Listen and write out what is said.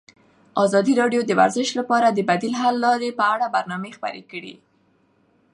ازادي راډیو د ورزش لپاره د بدیل حل لارې په اړه برنامه خپاره کړې.